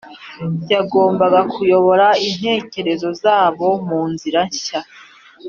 Yagombaga kuyobora intekerezo zabo mu nzira nshya